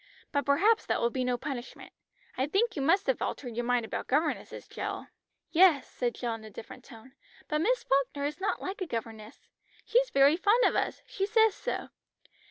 But perhaps that will be no punishment. I think you must have altered your mind about governesses, Jill." "Yes," said Jill in a different tone. "But Miss Falkner is not like a governess. She's very fond of us, she says so!"